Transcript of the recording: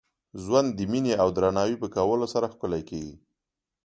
ژوند د میني او درناوي په کولو سره ښکلی کېږي.